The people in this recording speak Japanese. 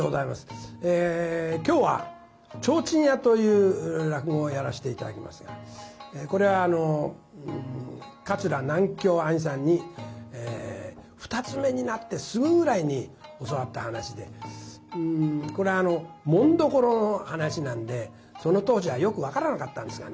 今日は「提灯屋」という落語をやらして頂きますがこれは桂南喬あにさんに二ツ目になってすぐぐらいに教わった噺でこれは紋所の噺なんでその当時はよく分からなかったんですがね